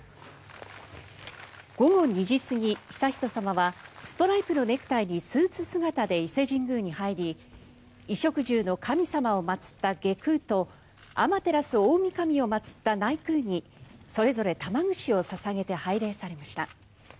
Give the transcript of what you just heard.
午後２時過ぎ、悠仁さまはストライプのネクタイにスーツ姿で伊勢神宮に入り衣食住の神様を祭った外宮と天照大神を祭った内宮にそれぞれ玉串を捧げて拝礼されました。